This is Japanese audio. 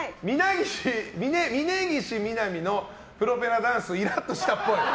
峯岸みなみの「プロペラダンス」、イラッとしたっぽい。